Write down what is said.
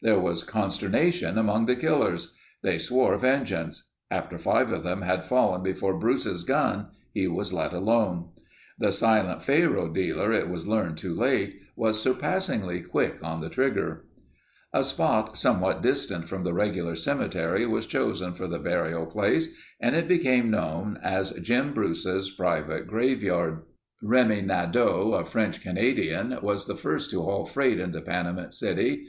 There was consternation among the killers. They swore vengeance. After five of them had fallen before Bruce's gun, he was let alone. The silent faro dealer, it was learned too late, was surpassingly quick on the trigger. A spot somewhat distant from the regular cemetery was chosen for the burial place and it became known as Jim Bruce's private graveyard. Remi Nadeau, a French Canadian, was the first to haul freight into Panamint City.